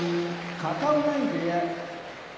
片男波部屋